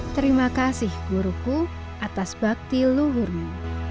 terima kasih guruku atas bakti luhurmu